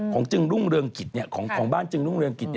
จึงรุ่งเรืองกิจของบ้านจึงรุ่งเรืองกิจ